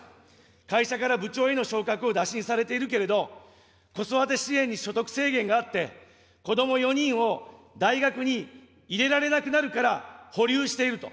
会社から部長への昇格を打診されているけれど、子育て支援に所得制限があって、子ども４人を大学に入れられなくなるから保留していると。